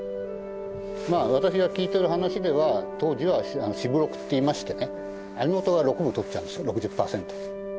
まあ私が聞いてる話では当時は四分六っていいましてね網元が六分取っちゃうんです６０％。